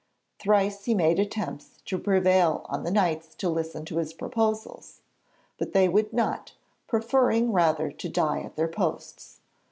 Thrice he made attempts to prevail on the Knights to listen to his proposals, but they would not, preferring rather to die at their posts.